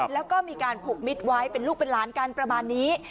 แล้วก็มีการผูกมิตรไว้เป็นลูกเป็นหลานกันประมาณนี้